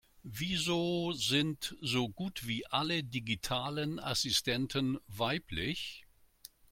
Wieso sind so gut wie alle digitalen Assistenten weiblich?